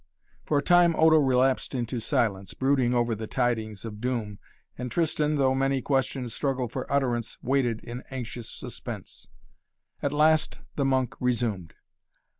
For a time Odo relapsed into silence, brooding over the tidings of doom, and Tristan, though many questions struggled for utterance, waited in anxious suspense. At last the monk resumed.